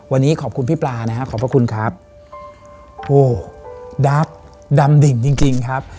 วันนี้ขอบคุณพี่ปลานะฮะขอบพระคุณครับโหดักดำดิ่งจริงจริงครับ